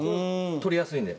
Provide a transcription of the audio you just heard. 取りやすいんで。